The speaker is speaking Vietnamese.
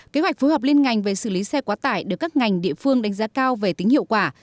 kế hoạch phối hợp liên ngành về xử lý xe quá tải được các ngành địa phương đánh giá cao về tính hiệu quả